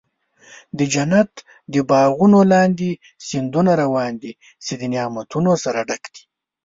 د جنت د باغونو لاندې سیندونه روان دي، چې د نعمتونو سره ډک دي.